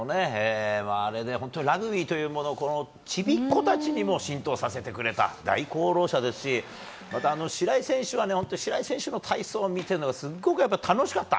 本当にラグビーというものをちびっ子たちにも浸透させてくれた大功労者ですしまた白井選手は白井選手の体操を見ているのがやっぱり、すごく楽しかった。